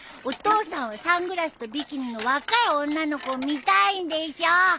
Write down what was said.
お父さんはサングラスとビキニの若い女の子を見たいんでしょ！